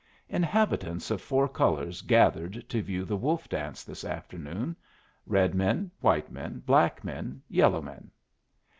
Inhabitants of four colors gathered to view the wolf dance this afternoon red men, white men, black men, yellow men.